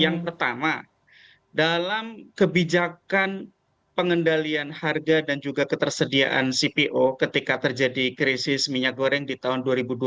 yang pertama dalam kebijakan pengendalian harga dan juga ketersediaan cpo ketika terjadi krisis minyak goreng di tahun dua ribu dua puluh